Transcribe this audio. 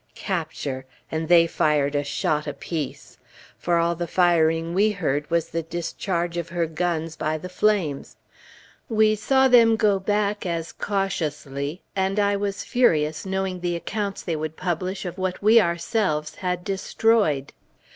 Capture, and they fired a shot apiece! for all the firing we heard was the discharge of her guns by the flames. We saw them go back as cautiously, and I was furious, knowing the accounts they would publish of what we ourselves had destroyed.